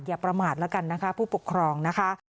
อย่าประมาทแล้วกันนะคะผู้ปกครองนะคะ